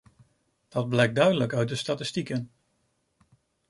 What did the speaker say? Dat blijkt duidelijk uit de statistieken.